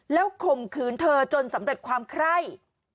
แล้วข่มขืนเธอจนสำเร็จความไคร่